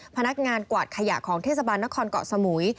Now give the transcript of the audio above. พนักงานกวาดขยะของเทศบาลนครเกาะสมุย